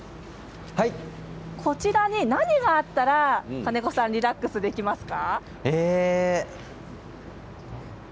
こちらに何があったら金子さん、リラックスできますか。